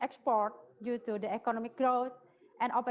karena kembang ekonomi